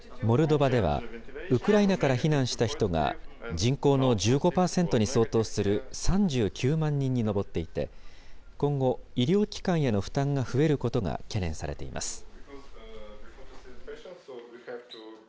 モルドバでは、ウクライナから避難した人が人口の１５％に相当する３９万人に上っていて、今後、医療機関への負担が増えることが懸念されています。